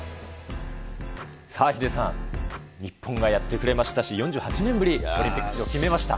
さあ、ヒデさん、日本がやってくれましたし、４８年ぶり、オリンピック出場決めました。